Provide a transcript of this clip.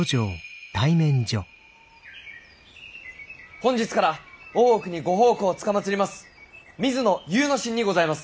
本日から大奥にご奉公つかまつります